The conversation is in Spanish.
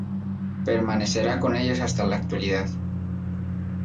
Permanecerá con ellos hasta la actualidad.